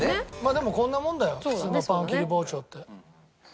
でもこんなもんだよ普通のパン切り包丁って。